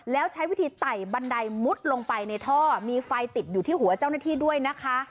แล้วใช้วิธีไต่บันไดมุดลงไปในท่อมีไฟติดอยู่ที่หัวเจ้าหน้าที่ด้วยนะคะ